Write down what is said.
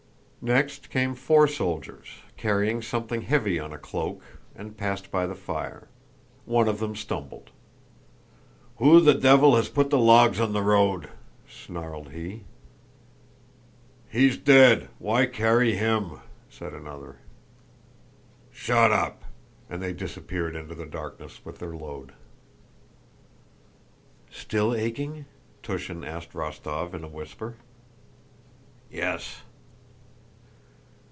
Next came four soldiers, carrying something heavy on a cloak, and passed by the fire. One of them stumbled. "Who the devil has put the logs on the road?" snarled he. "He's dead—why carry him?" said another. "Shut up!" And they disappeared into the darkness with their load. "Still aching?" Túshin asked Rostóv in a whisper. "Yes."